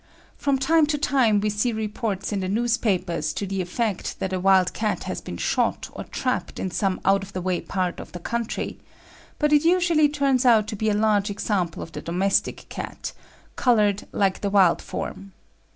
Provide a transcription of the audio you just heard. From time to time we see reports in the newspapers to the effect that a wild cat has been shot or trapped in some out of the way part of the country; but it usually turns out to be a large example of the domestic cat, coloured like the wild form.